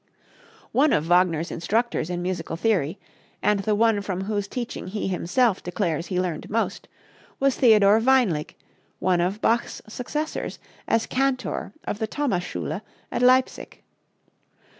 One of Wagner's instructors in musical theory, and the one from whose teaching he himself declares he learned most, was Theodor Weinlig, one of Bach's successors as Cantor of the Thomasschule at Leipsic.